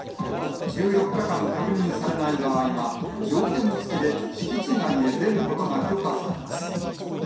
１４日間確認されない場合は、条件付きで敷地外へ出ることが許可されます。